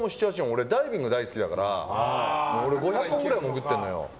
俺、ダイビング大好きだから５００本ぐらい潜っているのよ。